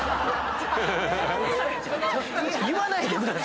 言わないでください。